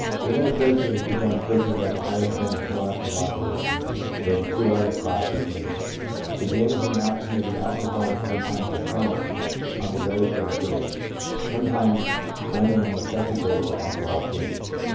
" Inner associations are interpreted as a higher form of intellectual operation than the two other classes named. The damaging action of the alcohol was sometimes apparent on the very first day — some times only on the second day of the alcohol period.